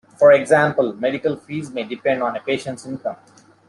For example, medical fees may depend on a patient's income.